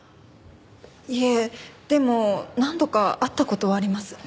いえでも何度か会った事はあります。